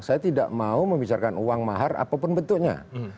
saya tidak mau membicarakan uang mahar apapun bentuknya